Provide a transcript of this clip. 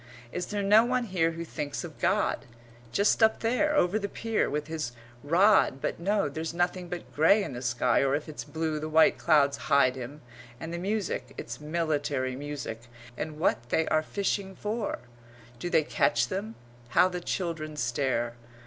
Is there no one here who thinks of God? just up there, over the pier, with his rod but no there's nothing but grey in the sky or if it's blue the white clouds hide him, and the music it's military music and what they are fishing for? Do they catch them? How the children stare!